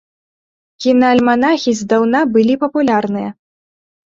Кінаальманахі здаўна былі папулярныя.